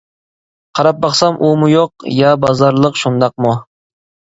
قاراپ باقسام ئۇمۇ يوق، يا بازارلىق شۇنداقمۇ؟ .